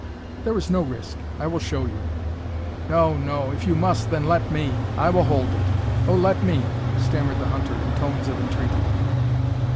"There is no risk. I will show you." "No, no! If you must, then, let me! I will hold it. Oh, let me!" stammered the hunter, in tones of entreaty.